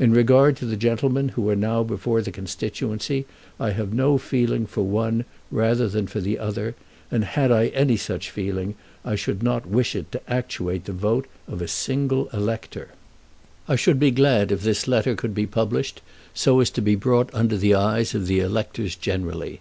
In regard to the gentlemen who are now before the constituency, I have no feeling for one rather than for the other; and had I any such feeling I should not wish it to actuate the vote of a single elector. I should be glad if this letter could be published so as to be brought under the eyes of the electors generally.